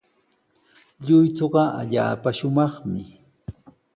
Lluychuqa allaapa shumaqmi.